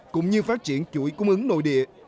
cũng như phát triển chuỗi cung ứng nội địa